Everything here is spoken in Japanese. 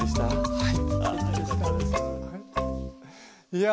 はい。